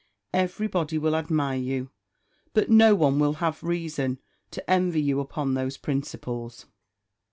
Every body will admire you, but no one will have reason to envy you upon those principles.